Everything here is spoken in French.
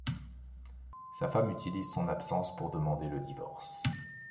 Sa femme utilise son absence pour demander le divorce.